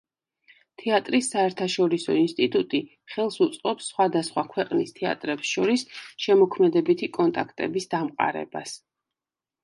თეატრის საერთაშორისო ინსტიტუტი ხელს უწყობს სხვადასხვა ქვეყნის თეატრებს შორის შემოქმედებითი კონტაქტების დამყარებას.